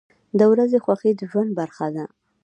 • د ورځې خوښي د ژوند برخه ده.